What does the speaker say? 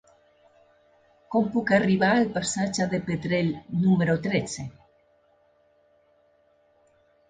Com puc arribar al passatge de Pedrell número tretze?